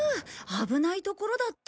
危ないところだった。